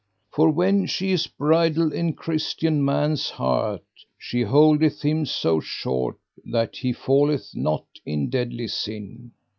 For when she is bridled in Christian man's heart she holdeth him so short that he falleth not in deadly sin.